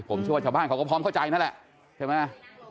ผมเชื่อว่าชาวบ้านเขาก็พร้อมเข้าใจนั่นแหละใช่ไหม